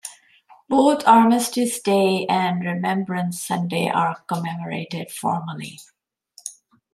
Both Armistice Day and Remembrance Sunday are commemorated formally.